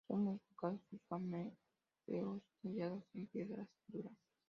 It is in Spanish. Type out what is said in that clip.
Son muy destacados sus camafeos tallados en piedras duras.